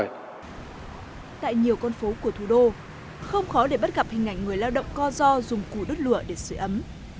không khó để bắt gặp hình ảnh người lao động co ro dùng củ đất lửa để sửa ấm